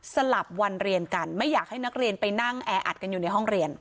สลับวันเรียนกันไม่อยากให้นักเรียนไปนั่งแออัดกันอยู่ในห้องเรียน